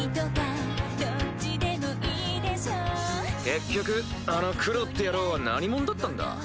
結局あのクロって野郎は何者だったんだ？